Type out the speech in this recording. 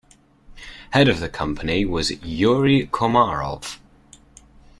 Head of the company was Yury Komarov.